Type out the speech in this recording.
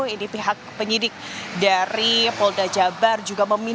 ini pihak penyidik dari polda jabar juga meminta